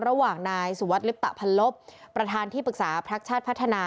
ระหว่างนายสุวัสดิลิปตะพันลบประธานที่ปรึกษาพักชาติพัฒนา